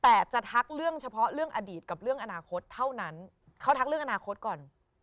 แต่จะทักเรื่องเฉพาะเรื่องอดีตกับเรื่องอนาคตเท่านั้นเขาทักเรื่องอนาคตก่อน